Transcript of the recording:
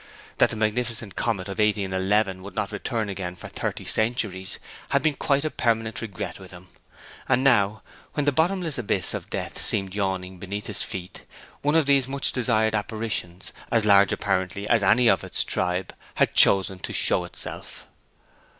That the magnificent comet of 1811 would not return again for thirty centuries had been quite a permanent regret with him. And now, when the bottomless abyss of death seemed yawning beneath his feet, one of these much desired apparitions, as large, apparently, as any of its tribe, had chosen to show itself.